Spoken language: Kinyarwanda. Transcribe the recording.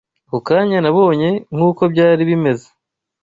ako kanya nabonye nk’uko byari bimeze